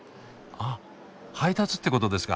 あ配達ってことですか？